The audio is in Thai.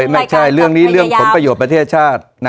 ไม่ใช่เรื่องนี้เรื่องผลประโยชน์ประเทศชาติ